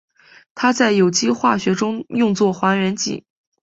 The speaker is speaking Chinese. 它在有机化学中用作还原剂。